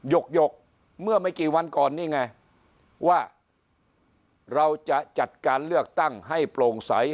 หยกเมื่อไม่กี่วันก่อนนี่ไงว่าเราจะจัดการเลือกตั้งให้โปร่งใส